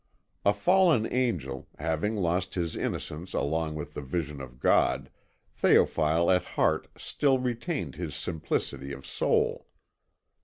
A fallen angel, having lost his innocence along with the vision of God, Théophile at heart still retained his simplicity of soul.